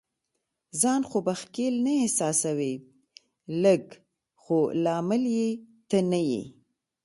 ځان خو به ښکیل نه احساسوې؟ لږ، خو لامل یې ته نه یې.